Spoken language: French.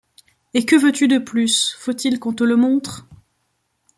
Et que veux-tu de plus ? faut-il qu’on te le montre ?